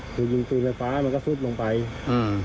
ผมยินตูไฟฟ้ามันก็ซุดลงไปอือ